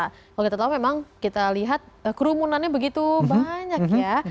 kalau kita tahu memang kita lihat kerumunannya begitu banyak ya